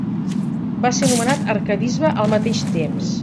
Va ser nomenat arquebisbe al mateix temps.